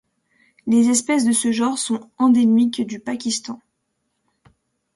Les espèces de ce genre sont endémiques du Pakistan.